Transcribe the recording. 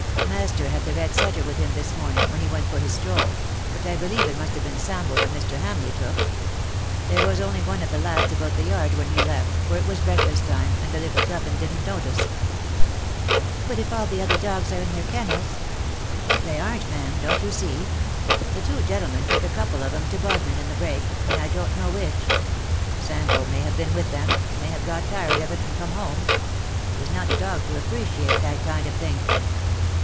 Master had the red setter with him this morning, when he went for his stroll, but I believe it must have been Sambo that Mr. Hamleigh took. There was only one of the lads about the yard when he left, for it was break fast time, and the little guffin didn^t notice.'"' " But if all the other dogs are in their kennels —"" They aren't, ma'am, don't you see. The two gentlemen took a couple of 'em to Bodmin in the break — and I don't know which. ■ Sambo may have been with them — and may have got tired of it and come home. He's not a dog to appreciate that kind of thing."